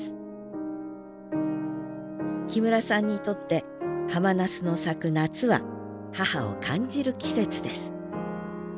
木村さんにとってハマナスの咲く夏は母を感じる季節です